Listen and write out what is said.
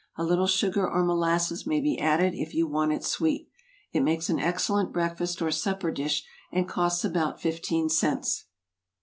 A little sugar or molasses may be added if you want it sweet. It makes an excellent breakfast or supper dish, and costs about fifteen cents.